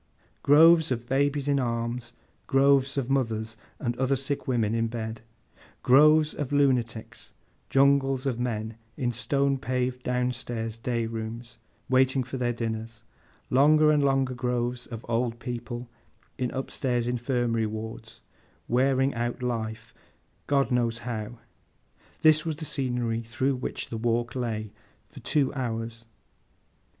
Groves of babies in arms; groves of mothers and other sick women in bed; groves of lunatics; jungles of men in stone paved down stairs day rooms, waiting for their dinners; longer and longer groves of old people, in up stairs Infirmary wards, wearing out life, God knows how—this was the scenery through which the walk lay, for two hours.